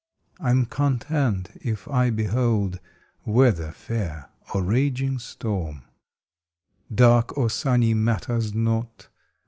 I m content if I behold Weather fair or raging storm. Dark or sunny matters not.